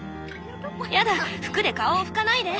やだ服で顔を拭かないで。